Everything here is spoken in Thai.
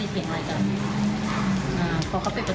มันจอดอย่างง่ายอย่างง่ายอย่างง่ายอย่างง่าย